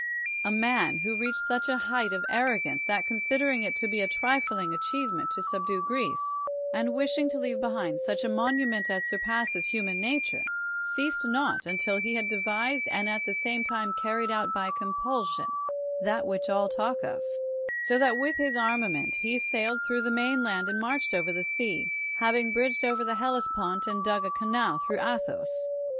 — a man> who reached such a height of arro gance, that considering it to be a trifling achieve ment to subdue Greece, and wishing to leave be hind such a monument as surpasses human na ture, ceased not until he had devised and at the same time carried out by compulsion that which all talk of, so that wdth his armament he sailed through the mainland and marched over the sea, having bridged over the Ilellespont and dug a canal through Ath os.